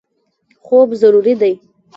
خوب ضروري دی.